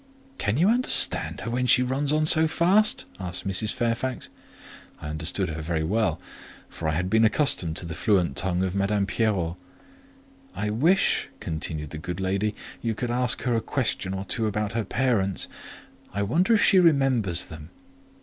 "Can you understand her when she runs on so fast?" asked Mrs. Fairfax. I understood her very well, for I had been accustomed to the fluent tongue of Madame Pierrot. "I wish," continued the good lady, "you would ask her a question or two about her parents: I wonder if she remembers them?"